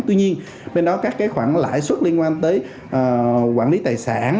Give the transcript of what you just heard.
tuy nhiên bên đó các cái khoản lãi suất liên quan tới quản lý tài sản